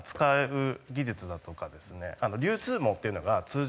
流通網っていうのが。